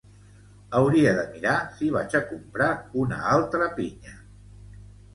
Hauria de mirar si vaig a comprar una altra pinya